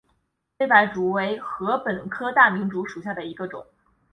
菲白竹为禾本科大明竹属下的一个种。